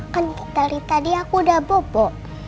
kan dari tadi aku udah bobo